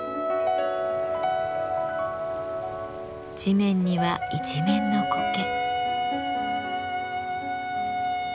地面には一面のコケ。